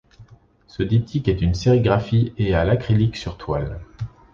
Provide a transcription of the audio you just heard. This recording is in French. Ce diptyque est une sérigraphie et à l'acrylique sur toile.